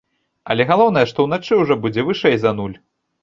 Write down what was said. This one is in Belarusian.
Але галоўнае, што ўначы ўжо будзе вышэй за нуль.